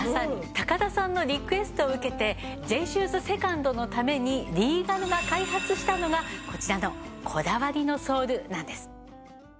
高田さんのリクエストを受けてＪシューズ２ｎｄのためにリーガルが開発したのがこちらのこだわりのソールなんです。